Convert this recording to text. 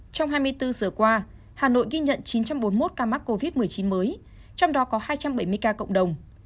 trong hai mươi bốn giờ qua hà nội ghi nhận chín trăm bốn mươi một ca mắc covid một mươi chín mới trong đó có hai trăm bảy mươi ca cộng đồng